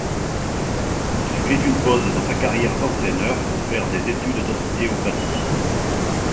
Il fait une pause dans sa carrière d'entraîneur pour faire des études d'ostéopathie.